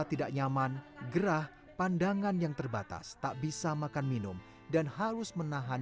rasa tidak nyaman gerah pandangan yang terbatas tak bisa makan minum dan harus menahan buang air berfirs